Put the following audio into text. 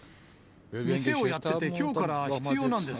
店をやってて、きょうから必要なんです。